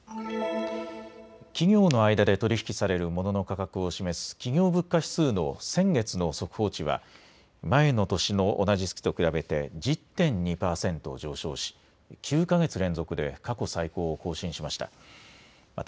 企業の間で取り引きされるモノの価格を示す企業物価指数の先月の速報値は前の年の同じ月と比べて１０．２％上昇し、９か月連続で過去最高を更新しました。